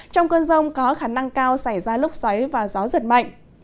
trong cơn rông có khả năng cao xảy ra lốc xoáy và gió giật mạnh